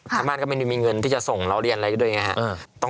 ชาวบ้านก็ไม่ได้มีเงินที่จะส่งเราเรียนอะไรด้วยไงฮะ